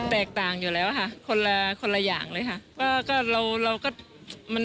แตกต่างอยู่แล้วค่ะคนละอย่างเลยค่ะ